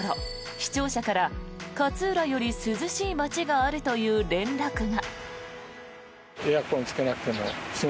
視聴者から勝浦より涼しい街があるという連絡が。